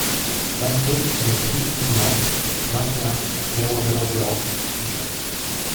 vingt-deux rue Philippe Guignard, vingt et un, zéro zéro zéro, Dijon